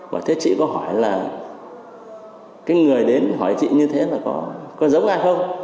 và thế chị có hỏi là cái người đến hỏi chị như thế là có giống ai không